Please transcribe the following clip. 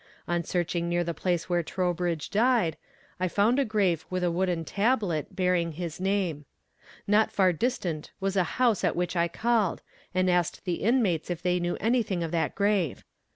On searching near the place where Trowbridge died, I found a grave with a wooden tablet, bearing his name. Not far distant was a house at which I called, and asked the inmates if they knew anything of that grave.